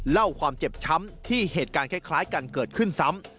เล่าความเจ็บช้ำที่เหตุการณ์คล้ายกันเกิดขึ้นซ้ำ